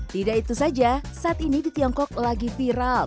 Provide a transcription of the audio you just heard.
tidak itu saja saat ini di tiongkok lagi viral